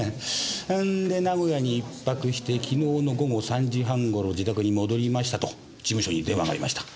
そんで名古屋に１泊して昨日の午後３時半頃自宅に戻りましたと事務所に電話がありました。